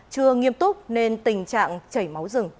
chưa nghiêm túc nên tình trạng chảy máu rừng